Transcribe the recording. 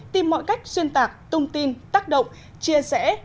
tìm mọi cách xuyên tạc tung tin tác động chia rẽ